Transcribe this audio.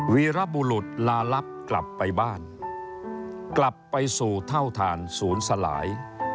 วีรบุรุษลาลับกลับไปบ้านกลับไปสู่เท่าทานศูนย์สลาย